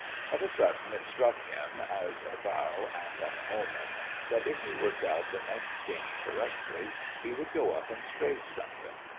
Of a sudden it struck him, as a vow and an omen, that if he worked out the next game correctly he would go up and strafe something.